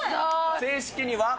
正式には。